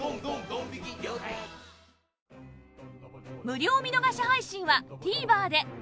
無料見逃し配信は ＴＶｅｒ で